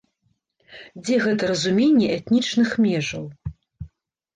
Дзе гэта разуменне этнічных межаў?